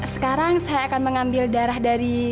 sekarang saya akan mengambil darah dari